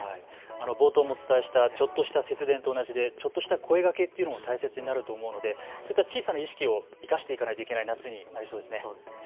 冒頭もお伝えした、ちょっとした節電と同じでちょっとした声かけが大切になると思うので、小さな意識を生かしていかないといけない夏になりそうですね。